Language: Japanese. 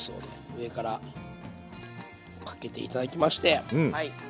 上からかけて頂きましてはい。